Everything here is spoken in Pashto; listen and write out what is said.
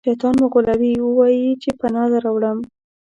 شیطان مو غولوي ووایئ چې پناه دروړم.